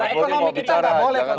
nah ekonomi kita gak boleh